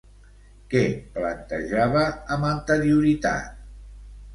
Què plantejava amb anterioritat?